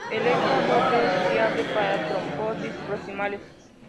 El Eco-Doppler es fiable para trombosis proximales.